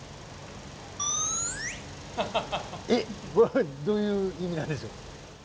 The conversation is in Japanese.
えっこれどういう意味なんでしょう？